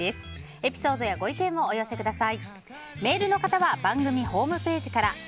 エピソードやご意見をお寄せください。